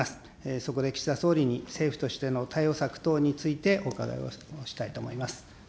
そこで岸田総理に、政府としての対応策等についてお伺いをしたいと思います。